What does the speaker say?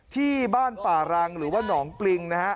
ที่บ้านป่ารังหรือว่าหนองปริงนะฮะ